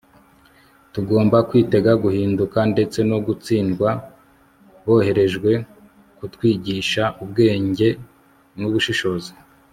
tugomba kwitega guhinduka, ndetse no gutsindwa. boherejwe kutwigisha ubwenge n'ubushishozi